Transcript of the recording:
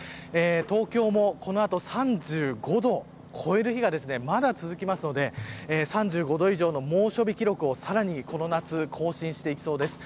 東京もこの後３５度超える日がまだ続きますので３５度以上の猛暑日記録をこの夏はさらに更新していきそうです。